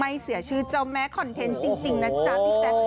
เสียชื่อเจ้าแม่คอนเทนต์จริงนะจ๊ะพี่แจ๊ค